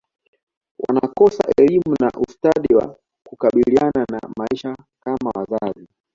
wanakosa elimu na ustadi wa kukabiliana na maisha kama wazazi